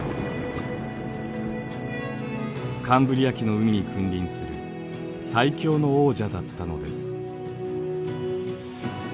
カンブリア紀の海に君臨する最強の王者だったのです。